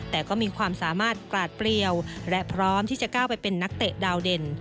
แต่ก็มีความสามารถกราดเปรี้ยวและพร้อมที่จะก้าวไปเป็นนักเตะดาวเด่น